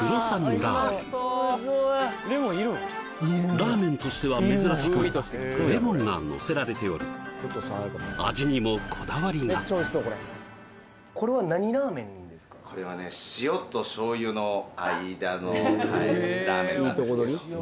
ラーメンラーメンとしては珍しくレモンがのせられており味にもこだわりがこれはね塩と醤油の間のラーメン？